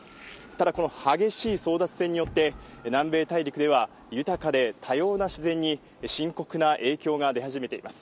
ただ、この激しい争奪戦によって、南米大陸では豊かで多様な自然に深刻な影響が出始めています。